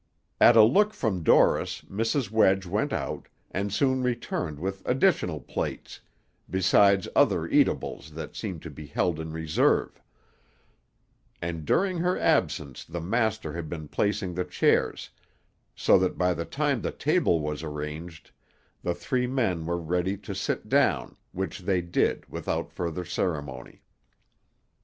At a look from Dorris, Mrs. Wedge went out, and soon returned with additional plates, besides other eatables that seemed to be held in reserve; and during her absence the master had been placing the chairs, so that by the time the table was arranged, the three men were ready to sit down, which they did without further ceremony.